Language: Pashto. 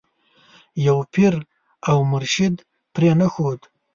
یو پیر او مرشد پرې نه ښود.